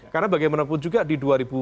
karena bagaimanapun juga di dua ribu sembilan